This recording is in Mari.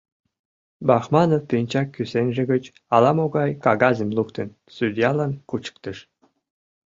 Бахманов, пинчак кӱсенже гыч ала-могай кагазым луктын судьялан кучыктыш.